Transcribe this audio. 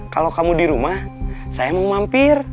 kalau kamu di rumah saya mau mampir